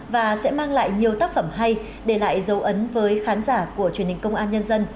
và sẽ mang lại nhiều tác phẩm hay để lại dấu ấn với khán giả của truyền hình công an nhân dân